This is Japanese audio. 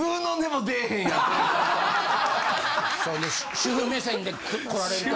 主婦目線でこられると。